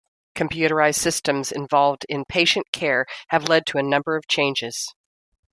Computerized systems involved in patient care have led to a number of changes.